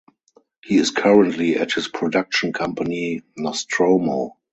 He is currently at his production company "Nostromo".